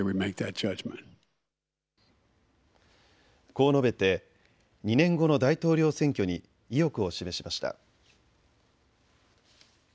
こう述べて２年後の大統領選挙に意欲を示しました。